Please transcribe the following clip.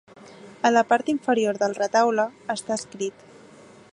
A la part inferior del retaule està escrit: